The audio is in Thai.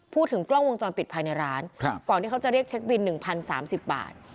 พูดถึงกล้องวงจรปิดภายในร้านก่อนที่เขาจะเรียกเช็คบิน๑๐๓๐บาท